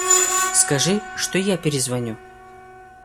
Скажи, что я перезвоню.